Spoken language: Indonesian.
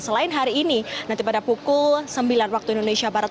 selain hari ini nanti pada pukul sembilan waktu indonesia barat